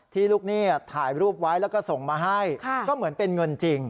ลูกหนี้ถ่ายรูปไว้แล้วก็ส่งมาให้ก็เหมือนเป็นเงินจริง